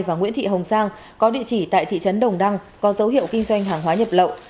và nguyễn thị hồng giang có địa chỉ tại thị trấn đồng đăng có dấu hiệu kinh doanh hàng hóa nhập lậu